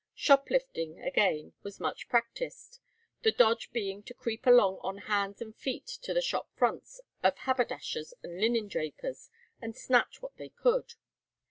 Shop lifting, again, was much practised, the dodge being to creep along on hands and feet to the shop fronts of haberdashers and linen drapers, and snatch what they could.